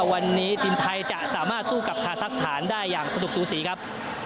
วันนี้ทีมไทยจะสามารถสู้กับคาซักสถานได้อย่างสนุกสูสีครับ